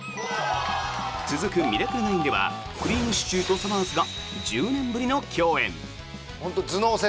続く「ミラクル９」ではくりぃむしちゅーとさまぁずが１０年ぶりの共演。